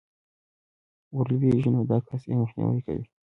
ورلوېږي، نو دا كس ئې مخنيوى كوي